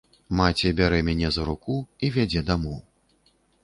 Маці бярэ мяне за руку і вядзе дамоў.